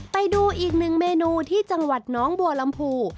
ไปดูอีกหนึ่งเมนูที่จังหวัดน้องบัวลำพู